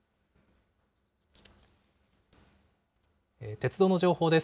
鉄道の情報です。